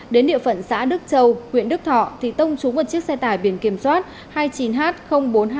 đến địa phận xã đức châu huyện đức thọ thì tông trúng một chiếc xe tải biển kiểm soát hai mươi chín h bốn nghìn hai trăm bảy mươi ba